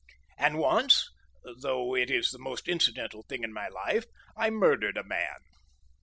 And once (though it is the most incidental thing in my life) I murdered a man....